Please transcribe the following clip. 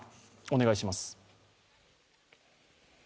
お願いします。